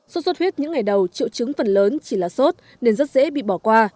xuất xuất huyết những ngày đầu triệu chứng phần lớn chỉ là xuất nên rất dễ bị bỏ qua